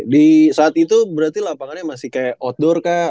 di saat itu berarti lapangannya masih kayak outdoor kah